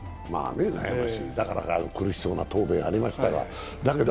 だからああいう苦しそうな答弁がありましたけど。